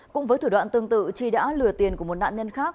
cũng với thủ đoạn tương tự chi đã lừa tiền của một nạn nhân khác